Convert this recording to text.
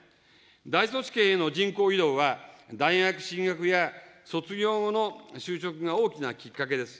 大都市圏への人口移動は、大学進学や卒業後の就職が大きなきっかけです。